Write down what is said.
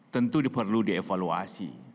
tentu perlu dievaluasi